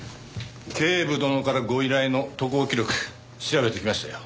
警部殿からご依頼の渡航記録調べてきましたよ。